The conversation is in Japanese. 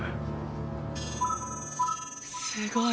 すごい！